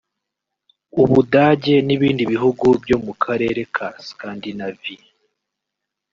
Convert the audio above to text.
u Budage n’ibindi bihugu byo mu Karere ka Scandinavie